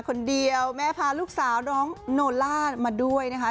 คนเดียวแม่พาลูกสาวน้องโนล่ามาด้วยนะคะ